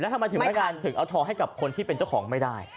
ทำไมถึงพนักงานถึงเอาทองให้กับคนที่เป็นเจ้าของไม่ได้